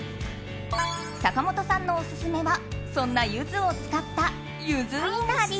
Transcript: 坂本さんのオススメはそんなユズを使った、ゆずいなり。